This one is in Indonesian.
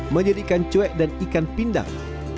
menjadi ikan cuek dan ikan pindang